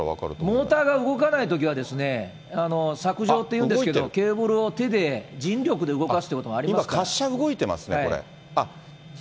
モーターが動かないときは、さくじょうというんですけど、ケーブルを手で人力で動かすという今、滑車動いてますね、これ。